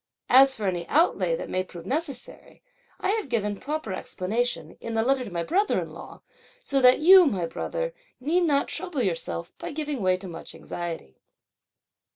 As for any outlay that may prove necessary, I have given proper explanation, in the letter to my brother in law, so that you, my brother, need not trouble yourself by giving way to much anxiety."